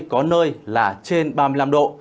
có nơi là trên ba mươi năm độ